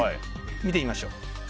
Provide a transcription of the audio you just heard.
見ていきましょう。